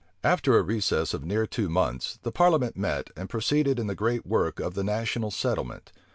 After a recess of near two months, the parliament met, and proceeded in the great work of the national settlement.